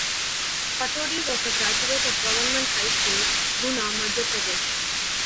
Patodi was a graduate of Government High School, Guna, Madhya Pradesh.